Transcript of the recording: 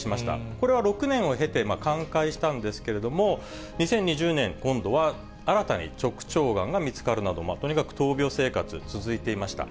これは６年を経て寛解したんですけれども、２０２０年、今度は新たに直腸がんが見つかるなど、とにかく闘病生活続いていました。